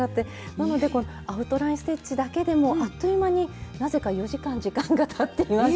なのでアウトライン・ステッチだけでもあっという間になぜか４時間時間がたっていまして。